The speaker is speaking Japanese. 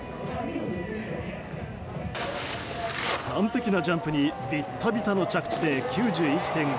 完璧なジャンプにビッタビタの着地で９１．５０。